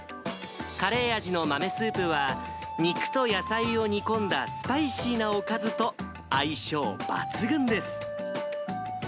カレー味の豆スープは、肉と野菜を煮込んだスパイシーなおかずと相性抜群です。